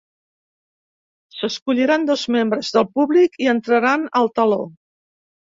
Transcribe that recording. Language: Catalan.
S'escolliran dos membres del públic i entraran al teló.